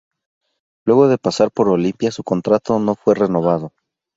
Luego de pasar por Olimpia, su contrato no fue renovado.